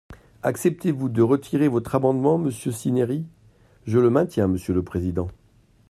Acceptez-vous de retirer votre amendement, monsieur Cinieri ? Je le maintiens, monsieur le président.